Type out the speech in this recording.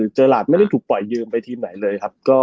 เจอราชไม่ได้ถูกปล่อยเยิมไปทีไหนเลย